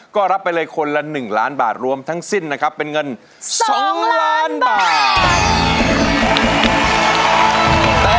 ก็รับไปเลยคนละ๑ล้านบาทรวมทั้งสิ้นนะครับเป็นเงิน๒ล้านบาท